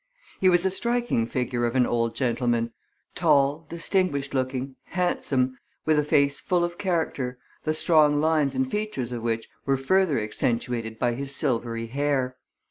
He was a striking figure of an old gentleman tall, distinguished looking, handsome, with a face full of character, the strong lines and features of which were further accentuated by his silvery hair.